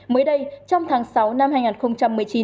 mới đây trong tháng sáu năm hai nghìn một mươi chín